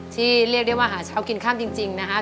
เรียกได้ว่าหาเช้ากินข้ามจริงนะครับ